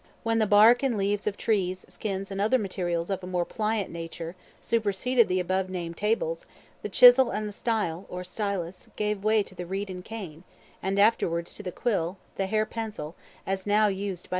When the bark and leaves of trees, skins, and other materials of a more pliant nature, superseded the above named tables, the chisel and the style, or stylus, gave way to the reed and cane, and afterwards to the quill, the hair pencil (as now used by the Chinese,) and the convenient lead pencil.